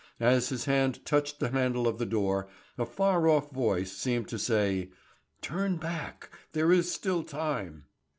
As his hand touched the handle of the door, a far off voice seemed to say: "Turn back! There is still time!"